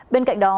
bên cạnh đó